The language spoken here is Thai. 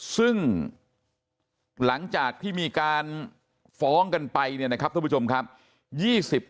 ซึ่งหลังจากที่มีการฟ้องกันไปเนี่ยนะครับทุกผู้ชมครับ